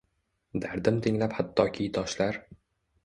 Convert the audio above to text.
Dardim tinglab hattoki toshlar